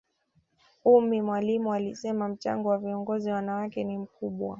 ummy mwalimu alisema mchango wa viongozi wanawake ni mkubwa